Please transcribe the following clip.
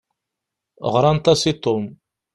Ɣṛant-as i Tom.